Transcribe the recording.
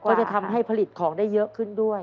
ก็จะทำให้ผลิตของได้เยอะขึ้นด้วย